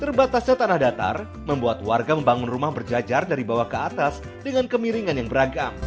terbatasnya tanah datar membuat warga membangun rumah berjajar dari bawah ke atas dengan kemiringan yang beragam